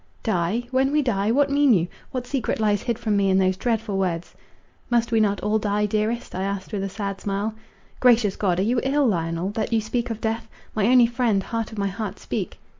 "Die! when we die! what mean you? What secret lies hid from me in those dreadful words?" "Must we not all die, dearest?" I asked with a sad smile. "Gracious God! are you ill, Lionel, that you speak of death? My only friend, heart of my heart, speak!"